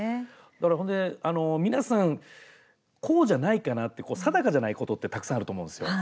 だから、皆さんこうじゃないかなって定かじゃないことってたくさんあると思うんですよ。